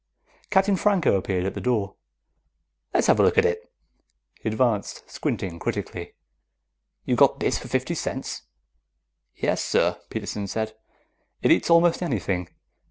Captain Franco appeared at the door. "Let's have a look at it." He advanced, squinting critically. "You got this for fifty cents?" "Yes, sir," Peterson said. "It eats almost anything.